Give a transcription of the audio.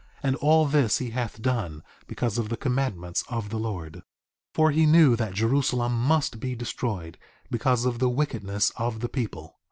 And all this he hath done because of the commandments of the Lord. 3:17 For he knew that Jerusalem must be destroyed, because of the wickedness of the people.